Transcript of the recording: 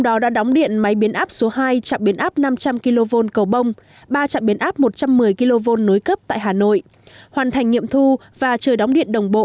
ba trạm biến áp một trăm một mươi kv nối cấp tại hà nội hoàn thành nghiệm thu và trời đóng điện đồng bộ